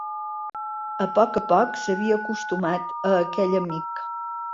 A poc a poc, s'havia acostumat a aquell amic.